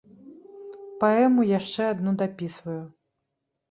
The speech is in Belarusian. Паэму яшчэ адну дапісваю.